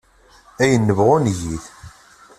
Ayen nebɣu neg-it.